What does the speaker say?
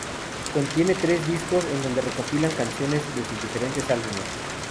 Contiene tres discos, en donde recopilan canciones de sus diferentes álbumes.